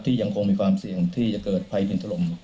ยังคงมีความเสี่ยงที่จะเกิดภัยดินถล่ม